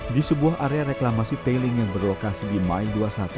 di sebuah area reklamasi tailing yang berlokasi di mind dua puluh satu